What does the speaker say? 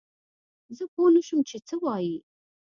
زه پوه نه شوم چې څه وايي؟